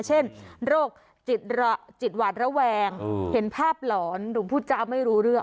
เช่นโรคจิตหวาดระแวงเห็นภาพหลอนหรือพูดจ้าไม่รู้เรื่อง